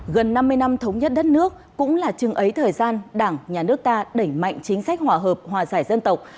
gần năm mươi năm thống nhất đất nước cũng là chừng ấy thời gian đảng nhà nước ta đẩy mạnh chính sách hòa hợp hòa giải dân tộc